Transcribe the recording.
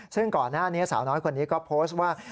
ซึ่งก่อนหน้านี้สาวน้อยคนนี้ก็โพสต์ว่า